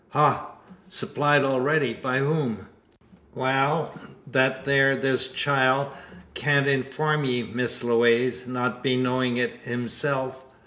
"Ha! Supplied already! By whom?" "Wal, thet theer this chile can't inform ye, Miss Lewaze; not be knowin' it hisself.